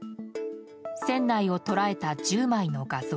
船内を捉えた１０枚の画像。